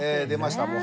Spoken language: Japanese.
出ました。